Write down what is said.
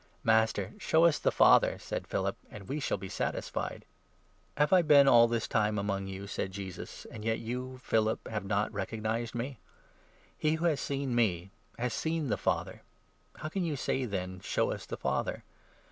" Master, show us the Father," said Philip, "and we shall 8 be satisfied." " Have I been all this time among you," said Jesus, "and 9 yet you, Philip, have not recognized me ? He who has seen me has seen the Father, how can you say, then, ' Show us the Father